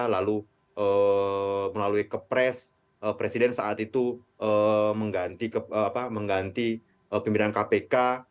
lalu melalui kepres presiden saat itu mengganti pimpinan kpk